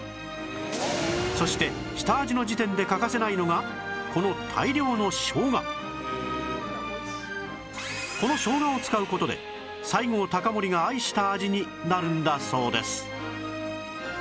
そして下味の時点で欠かせないのがこのこのしょうがを使う事で西郷隆盛が愛した味になるんだそうです